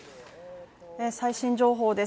最新情報です。